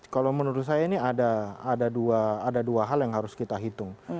kalau menurut saya ini ada dua hal yang harus kita hitung